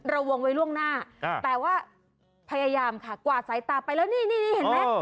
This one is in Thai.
เราวงไว้ล่วงหน้าอ่าแต่ว่าพยายามค่ะกว่าสายตาไปแล้วนี่นี่นี่เห็นไหม